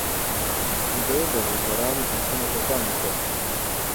ده د بزګرانو حقونو ته پام وکړ.